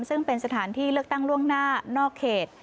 ซึ่งเป็นสถานที่เลือกตั้งล่วงหน้านอกเขต